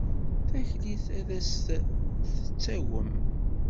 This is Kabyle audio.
Taklit ad as-d-tettagem.